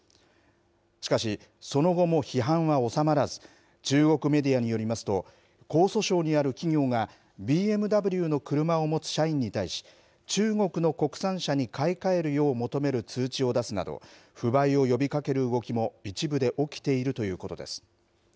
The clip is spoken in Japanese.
しかし、その後も批判は収まらず、中国メディアによりますと、江蘇省にある企業がＢＭＷの車を持つ社員に対し、中国の国産車に買い替えるよう求める通知を出すなど、不買を呼びかける動きも一部で起きているということです。